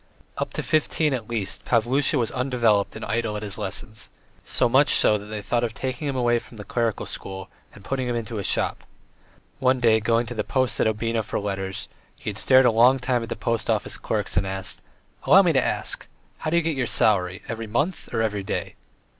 Up to fifteen at least Pavlusha was undeveloped and idle at his lessons, so much so that they thought of taking him away from the clerical school and putting him into a shop; one day, going to the post at Obnino for letters, he had stared a long time at the post office clerks and asked: "Allow me to ask, how do you get your salary, every month or every day?"